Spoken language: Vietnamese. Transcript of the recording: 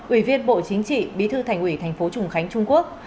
ủy viên bộ chính trị bí thư thành ủy thành phố trùng khánh trung quốc